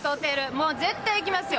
もう絶対いきますよ。